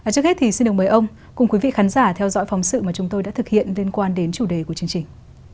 trước hết thì xin được mời ông cùng quý vị khán giả theo dõi phóng sự mà chúng tôi đã thực hiện liên quan đến chủ đề của chương trình